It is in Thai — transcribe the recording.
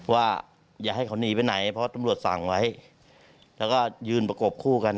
ว่าอย่าให้เขาหนีไปไหนเพราะตำรวจสั่งไว้แล้วก็ยืนประกบคู่กัน